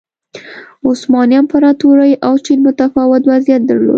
عثماني امپراتورۍ او چین متفاوت وضعیت درلود.